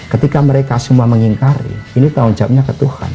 ketika mereka semua mengingkari ini tahun jamnya ketuhan